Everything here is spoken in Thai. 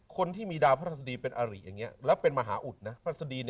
คนที่มีดาวพระศาสธิเป็นอริอย่างเนี่ยแล้วเป็นมหาอุดนะ